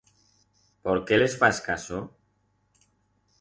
Por qué les fas caso?